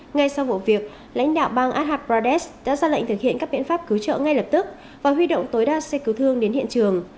ngay sau vụ việc lãnh đạo bang adha pradesh đã ra lệnh thực hiện các biện pháp cứu trợ ngay lập tức và huy động tối đa xe cứu thương đến hiện trường